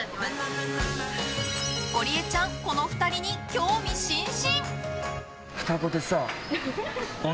ゴリエちゃん、この２人に興味津々！